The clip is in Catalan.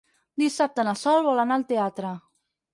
Dissabte na Sol vol anar al teatre.